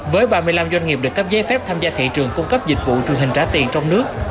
với ba mươi năm doanh nghiệp được cấp giấy phép tham gia thị trường cung cấp dịch vụ truyền hình trả tiền trong nước